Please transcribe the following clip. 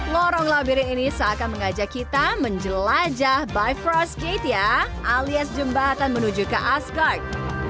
lorong labirin ini seakan mengajak kita menjelajah by frost gate ya alias jembatan menuju ke asgard